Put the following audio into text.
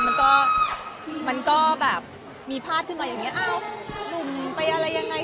มันก็มันก็แบบมีพาดขึ้นมาอย่างนี้อ้าวหนุ่มไปอะไรยังไง